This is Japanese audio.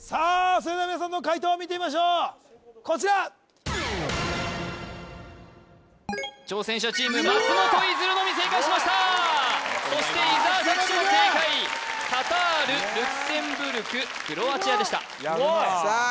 それでは皆さんの解答を見てみましょうこちら挑戦者チーム松本逸琉のみ正解しましたそして伊沢拓司も正解カタールルクセンブルククロアチアでしたさあ